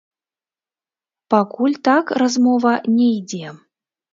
Пакуль так размова не ідзе.